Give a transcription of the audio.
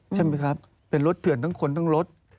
ใช่ไหมครับเป็นรถเถื่อนทั้งคนทั้งรถ